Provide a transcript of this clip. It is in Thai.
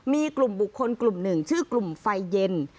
มีกลุ่มบุคคลกลุ่มหนึ่งชื่อกลุ่มไฟเย็น